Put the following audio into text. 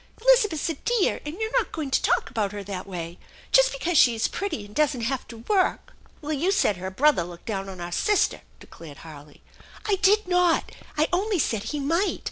" Elizabeth's a dear, and you're not going to talk about her that way. Just betause she is pretty and doesn't have to work." "Well, you said her brother looked down on our sister," declared Harley. "I did not! I only said he might!